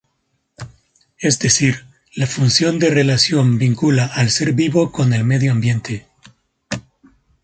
Es decir, la función de relación vincula al ser vivo con el medio ambiente.